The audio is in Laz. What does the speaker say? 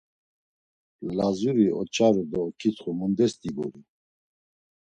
Lazuri oç̌aru do oǩitxu mundes diguri!